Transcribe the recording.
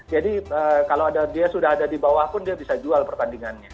jadi kalau dia sudah ada di bawah pun dia bisa jual pertandingannya